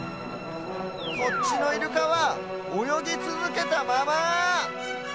こっちのイルカはおよぎつづけたまま。